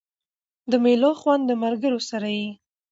د مېلو خوند د ملګرو سره يي.